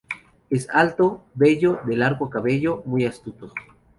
Es alto, bello, de largo cabello, muy astuto.